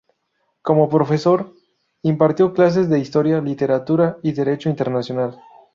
Como profesor, impartió clases de historia, literatura y derecho internacional.